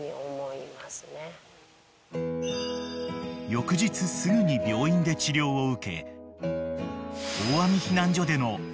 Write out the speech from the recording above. ［翌日すぐに病院で治療を受け］